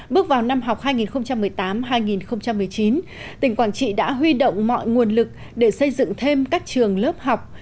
bước vào năm học hai nghìn một mươi tám hai nghìn một mươi chín tỉnh quảng trị đã huy động mọi nguồn lực để xây dựng thêm các trường lớp học